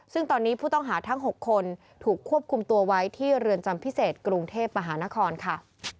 ซึ่งตอนนี้ผู้ต้องหาทั้ง๖คนถูกควบคุมตัวไว้ที่เรือนจำพิเศษกรุงเทพมหานครค่ะ